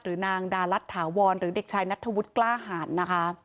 หรือนางดาลัดถาวรหรือเด็กชายนัตถวุฒิกล้าห่าน